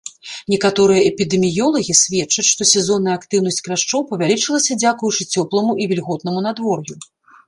Некаторыя эпідэміёлагі сведчаць, што сезонная актыўнасць кляшчоў павялічылася дзякуючы цёпламу і вільготнаму надвор'ю.